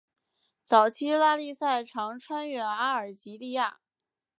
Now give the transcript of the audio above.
早期拉力赛常穿越阿尔及利亚。